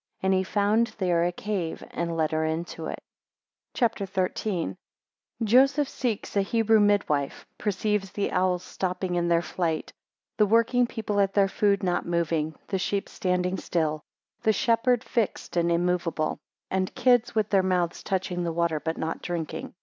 14 And he found there a cave, and let her into it. CHAPTER XIII. 1 Joseph seeks a Hebrew midwife, 2 perceives the owls stopping in their flight, 3 the working people at their food not moving, 8 the sheep standing still, 9 the shepherd fixed and immoveable, 10 and kids with their mouths touching the water but not drinking.